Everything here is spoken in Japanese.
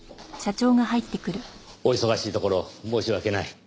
お忙しいところ申し訳ない。